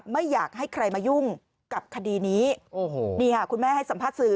ไม่อยากให้ใครมายุ่งกับคดีนี้โอ้โหนี่ค่ะคุณแม่ให้สัมภาษณ์สื่อ